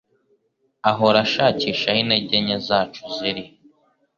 Ahora ashakisha aho intege nke zacu ziri.